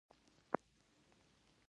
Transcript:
د طالب او افراطيت په نامه یې توجیه کوله.